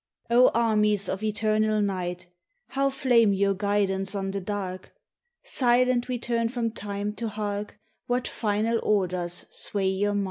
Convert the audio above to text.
O armies of eternal night, How flame your guidons on the dark! Silent we turn from Time to hark What final Orders sway your might.